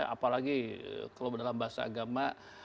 apalagi kalau dalam bahasa agama